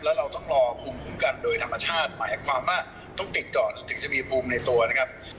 แล้วเราต้องรอภูมิคุ้มกันโดยธรรมชาติหมายความว่าต้องติดก่อนถึงจะมีภูมิในตัวนะครับ